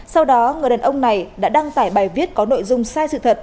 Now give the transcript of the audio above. sau đó người đàn ông này đã đăng tải bài viết có nội dung sai sự thật